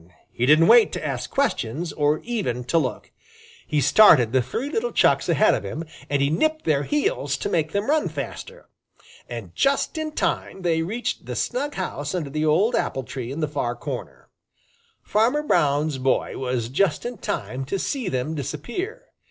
He didn't wait to ask questions or even to look. He started the three little Chucks ahead of him, and he nipped their heels to make them run faster. And just in time they reached the snug house under the old apple tree in the far corner. Farmer Brown's boy was just in time to see them disappear.